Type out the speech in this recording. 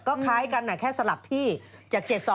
ก็คล้ายกันอ่ะแค่สลับที่จะ๗๒๒๗